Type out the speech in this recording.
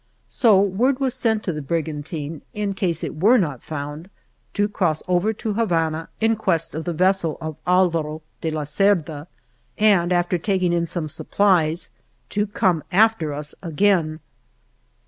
So word was sent to the brigantine, in case it were not found to cross over to Habana in quest of the vessel of Alvaro de la Cerda, and, after taking in some supplies, to come after us again.